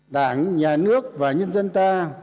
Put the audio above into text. đảng nhà nước và nhân dân ta